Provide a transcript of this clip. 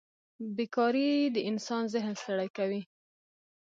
بېکارۍ د انسان ذهن ستړی کوي.